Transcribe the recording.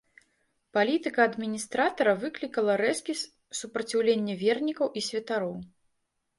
Палітыка адміністратара выклікала рэзкі супраціўленне вернікаў і святароў.